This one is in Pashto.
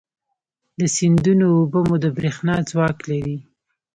د سیندونو اوبه مو د برېښنا ځواک لري.